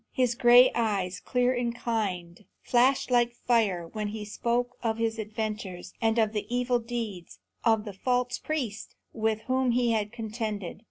His gray eyes, clear and kind, flashed like fire when he spoke of his adventures, and of the evil deeds of the false priests with whom he had contended.